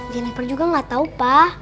jeniper juga gak tau pa